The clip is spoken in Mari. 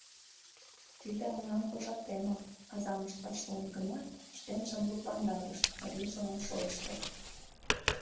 — Тиде аҥам кошартемак, — азам ышташ шуын гынат, шкенжым лыпландарыш, марийжылан шойышто.